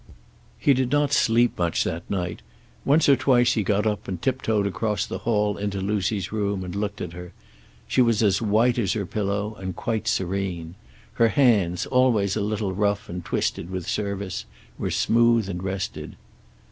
He did not sleep much that night. Once or twice he got up and tip toed across the hall into Lucy's room and looked at her. She was as white as her pillow, and quite serene. Her hands, always a little rough and twisted with service, were smooth and rested.